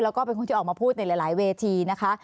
แล้วก็เป็นคนที่ออกมาพูดในหลายเวทีนะคะ